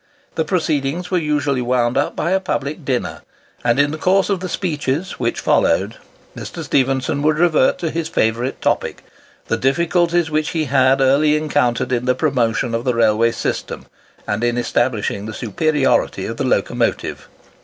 The proceedings were usually wound up by a public dinner; and in the course of the speeches which followed, Mr. Stephenson would revert to his favourite topic—the difficulties which he had early encountered in the promotion of the railway system, and in establishing the superiority of the locomotive.